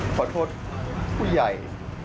ขอโทษผู้ใหญ่